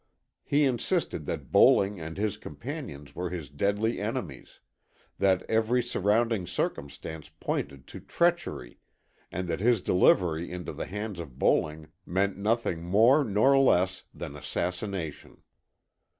He insisted that Bowling and his companions were his deadly enemies; that every surrounding circumstance pointed to treachery, and that his delivery into the hands of Bowling meant nothing more nor less than assassination.